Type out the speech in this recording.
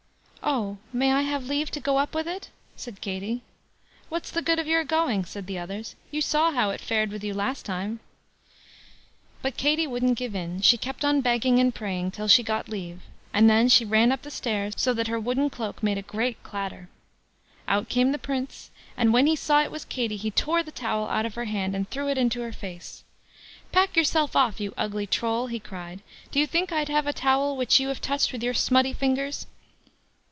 "Oh! may I have leave to go up with it?" said Katie. "What's the good of your going?" said the others; "you saw how it fared with you last time." But Katie wouldn't give in; she kept on begging and praying, till she got leave; and then she ran up the stairs, so that her wooden cloak made a great clatter. Out came the Prince, and when he saw it was Katie, he tore the towel out of her hand, and threw it into her face. "Pack yourself off, you ugly Troll", he cried; "do you think I'd have a towel which you have touched with your smutty fingers?"